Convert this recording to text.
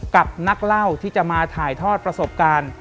กับนักเล่าที่จะมาถ่ายทอดประสบการณ์